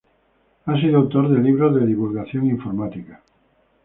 Ha sido autor de libros de divulgación informática.